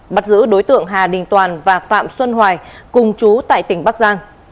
bắt giữ đối tượng hà đình toàn và phạm xuân hoài cùng chú tại tỉnh bắc giang